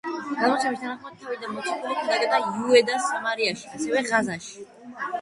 გადმოცემის თანახმად თავიდან მოციქული ქადაგებდა იუდეას სამარიაში, ასევე ღაზაში.